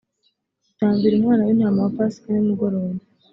utambira umwana w intama wa pasika nimugoroba